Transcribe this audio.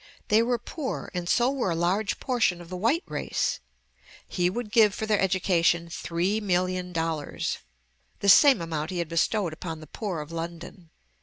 They were poor, and so were a large portion of the white race. He would give for their education three million dollars, the same amount he had bestowed upon the poor of London.